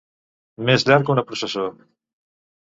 Més llarg que una processó.